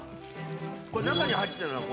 これ中に入ってるのは？